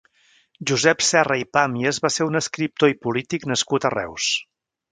Josep Serra i Pàmies va ser un escriptor i polític nascut a Reus.